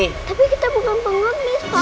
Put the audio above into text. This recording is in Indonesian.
tapi kita bukan pengemis pak